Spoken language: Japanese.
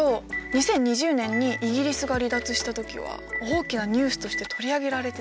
２０２０年にイギリスが離脱した時は大きなニュースとして取り上げられてたな。